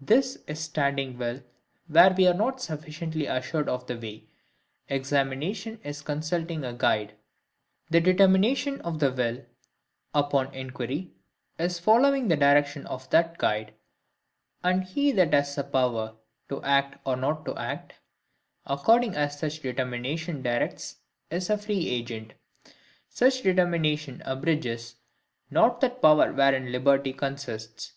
This is standing still, where we are not sufficiently assured of the way: examination is consulting a guide. The determination of the will upon inquiry, is following the direction of that guide: and he that has a power to act or not to act, according as SUCH determination directs, is a free agent: such determination abridges not that power wherein liberty consists.